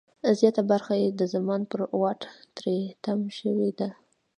زیاته برخه یې د زمان پر واټ تری تم شوې ده.